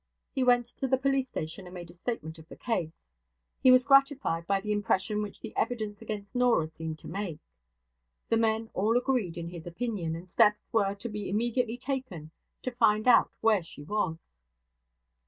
He went to the police station and made a statement of the case. He was gratified by the impression which the evidence against Norah seemed to make. The men all agreed in his opinion, and steps were to be immediately taken to find out where she was.